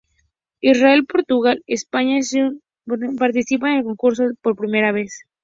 Israel, Portugal, España, Zimbabwe y Botsuana participan en el concurso por primera vez.